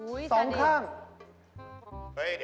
อุ๊ยชะนิด